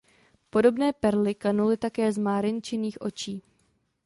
Podobné perly kanuly také z Márinčiných očí.